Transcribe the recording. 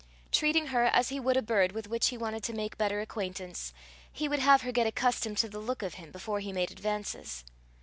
Treating her as he would a bird with which he wanted to make better acquaintance, he would have her get accustomed to the look of him before he made advances.